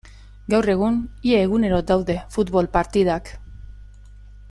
Gaur egun ia egunero daude futbol partidak.